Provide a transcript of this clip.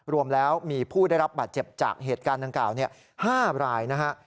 รวมแล้วมีผู้ได้รับบาดเจ็บจากเหตุการณ์ดังกล่าว๕รายนะฮะ